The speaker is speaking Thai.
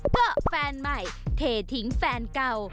ก็แฟนใหม่เผทิ้งแฟนก่อน